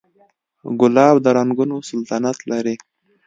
ګلاب د رنګونو سلطنت لري.